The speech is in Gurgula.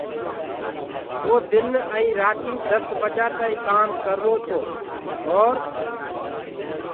وو دن ائيٚنٚ رآتيٚ دس بجآ تآئيٚنٚ ڪآم ڪررو تو اور